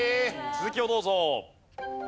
続きをどうぞ。